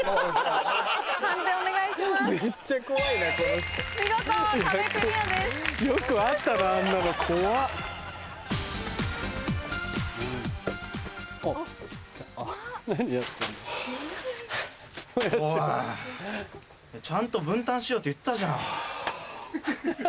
おいちゃんと分担しようって言ったじゃん。